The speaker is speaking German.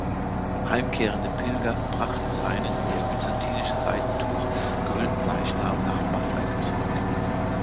Heimkehrende Pilger brachten seinen in das byzantinische Seidentuch gehüllten Leichnam nach Bamberg zurück.